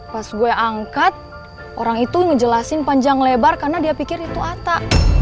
pas gue angkat orang itu ngejelasin panjang lebar karena dia pikir itu ata